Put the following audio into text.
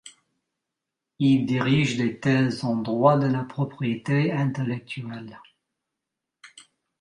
Il dirige des thèses en droit de la propriété intellectuelle.